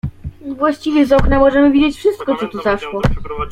"Właściwie z okna możemy widzieć wszystko, co tu zaszło."